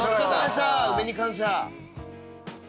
梅に感謝！